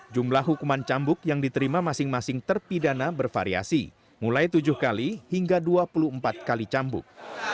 jumlah hukuman cambuk yang diterima masing masing terpidana bervariasi mulai tujuh kali hingga dua puluh empat kali cambuk